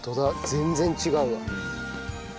全然違うわ。